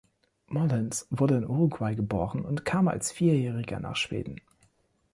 Molins wurde in Uruguay geboren und kam als Vierjähriger nach Schweden.